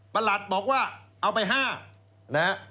ประหลัดบอกว่าเอาไป๕ล้านนะฮะ